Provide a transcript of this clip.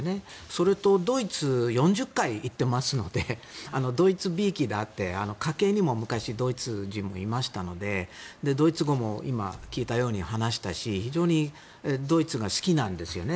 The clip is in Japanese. それとドイツに４０回行ってますのでドイツびいきであって家系にも昔ドイツ人もいましたのでドイツ語も今、聞いたように話したし非常にドイツが好きなんですよね